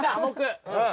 うん。